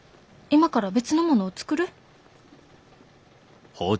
今から別のものを作る？